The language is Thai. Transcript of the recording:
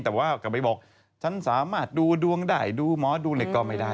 แต่กลับไปบอกฉันสามารถดูดวงใดดูหมอสดูอะไรก็ไม่ได้